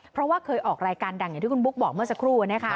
เพราะว่าเคยออกรายการดังอย่างที่คุณบุ๊คบอกเมื่อสักครู่